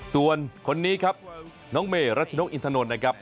ส่วนคนนี้ครับน้องเมรัชนกอินทนนท์นะครับ